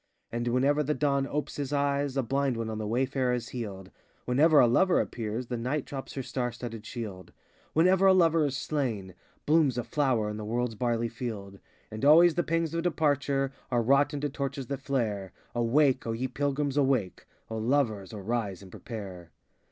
And whenever the Dawn opes his eyes, A blind one on the wayfare is healed; Whenever a Lover appears, The Night drops her star studded shield; Whenever a Lover is slain, Blooms a flower in the world's barley field. And always the pangs of departure Are wrought into torches that flare. Awake, O ye Pilgrims, awake! O Lovers, arise and prepare.